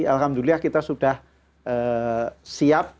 alhamdulillah kita sudah siap